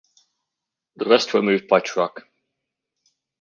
The rest were moved by truck.